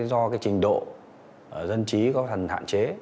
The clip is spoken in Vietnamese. do trình độ dân trí có hạn chế